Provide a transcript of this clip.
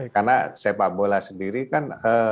karena sepak bola sendiri kan